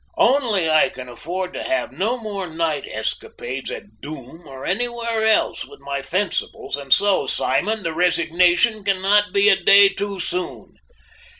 Only I can afford to have no more night escapades at Doom or anywhere else with my fencibles, and so, Simon, the resignation cannot be a day too soon."